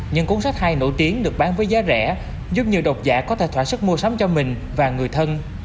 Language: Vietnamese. những cuốn sách hay nổi tiếng được bán với giá rẻ giúp nhiều độc giả có thể thỏa sức mua sắm cho mình và người thân